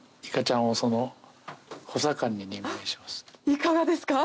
いかがですか？